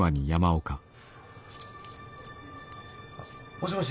もしもし。